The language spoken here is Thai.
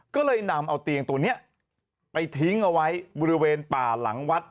ก็เลยนำเอาเตียงตัวนี้ไปทิ้งเอาไว้บริเวณป่าหลังวัด